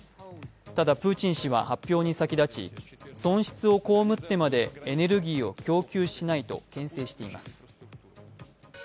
ただ、プーチン氏は発表に先立ち損失をこうむってまでエネルギーを供給しないとけん制しています。